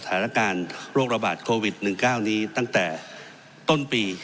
สถานการณ์โรคระบาดโควิด๑๙นี้ตั้งแต่ต้นปี